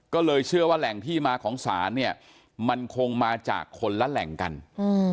ก็เลยเชื่อว่าแหล่งที่มาของศาลเนี้ยมันคงมาจากคนละแหล่งกันอืม